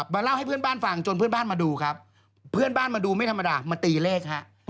เล่าให้เพื่อนบ้านฟังจนเพื่อนบ้านมาดูครับเพื่อนบ้านมาดูไม่ธรรมดามาตีเลขฮะ